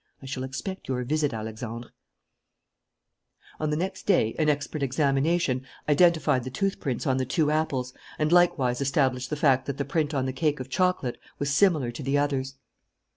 I shall expect your visit, Alexandre." On the next day an expert examination identified the tooth prints on the two apples and likewise established the fact that the print on the cake of chocolate was similar to the others.